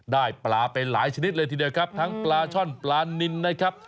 ได้ปลาไปหลายชนิดเลยทีเดียวครับทั้งปลาช่อนปลานินนะครับ